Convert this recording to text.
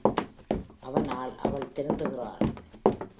அவனால் அவள் திருந்துகிறாள்.